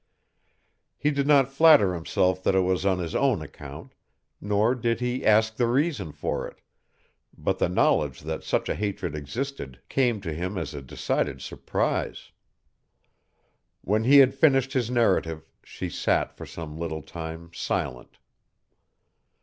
He did not flatter himself that it was on his own account, nor did he ask the reason for it, but the knowledge that such a hatred existed came to him as a decided surprise. When he had finished his narrative she sat for some little time silent.